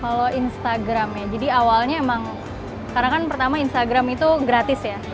kalau instagram ya jadi awalnya emang karena kan pertama instagram itu gratis ya